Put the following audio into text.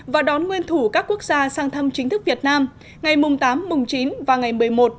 và đón nguyên thủ các quốc gia sang thăm chính thức việt nam ngày tám chín và ngày một mươi một một mươi hai một mươi ba một mươi một